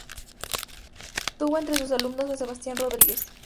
Tuvo entre sus alumnos a Sebastián Rodríguez.